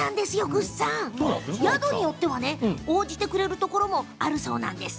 ぐっさん宿によっては応じてくれるところも、あるそうなんです。